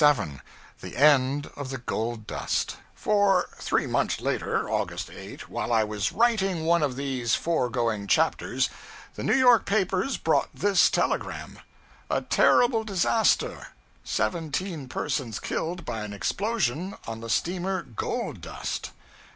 CHAPTER 37 The End of the 'Gold Dust' FOR, three months later, August 8, while I was writing one of these foregoing chapters, the New York papers brought this telegram A TERRIBLE DISASTER. SEVENTEEN PERSONS KILLED BY AN EXPLOSION ON THE STEAMER 'GOLD DUST.'